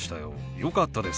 よかったです。